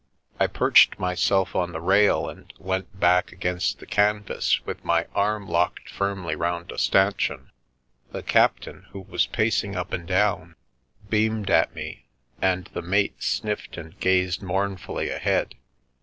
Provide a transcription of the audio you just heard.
I perched myself on the rail and leant back against the canvas with my arm locked firmly round a stanchion. The captain, who was pacing up and down, beamed at me, and the mate sniffed and gazed mournfully ahead.